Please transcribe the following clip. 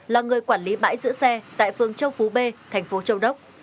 là người quản lý bãi giữ xe tại phương châu phú b thành phố châu đốc